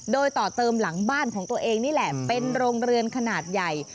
โดยต่อเติมหลังบ้านของตัวเองนี่แหละเป็นโรงเรือนขนาดใหญ่